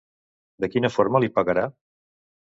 De quina forma li pagarà?